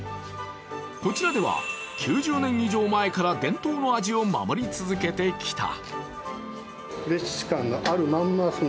こちらでは９０年以上前から伝統の味を守り続けてきた。